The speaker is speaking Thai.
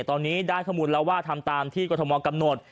ตอนนี้ได้ข้อมูลแล้วว่าทำตามที่กรทมกำหนด